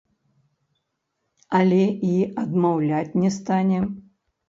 Але і адмаўляць не стане.